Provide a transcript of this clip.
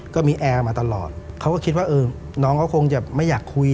ก็มีแอร์มาตลอดเขาก็คิดว่าเออน้องเขาคงจะไม่อยากคุย